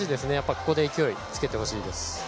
ここで勢いつけてほしいです。